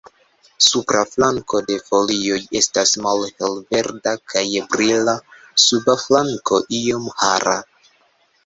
Supra flanko de folioj estas malhelverda kaj brila, suba flanko iom hara.